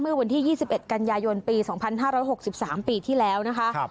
เมื่อวันที่๒๑กันยายนปี๒๕๖๓ปีที่แล้วนะคะ